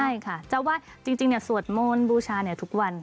ใช่ค่ะจะวาดจริงเนี่ยสวดโม้นบูชาเนี่ยทุกวัน